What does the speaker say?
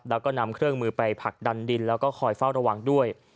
แล้วก็นำเครื่องมือไปผลักดันดินแล้วก็คอยเฝ้าระวังด้วย